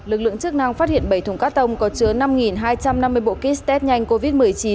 lực lượng chức năng phát hiện bảy thùng cắt tông có chứa năm hai trăm năm mươi bộ kit test nhanh covid một mươi chín